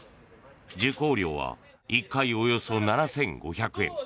受講料は１回およそ７５００円。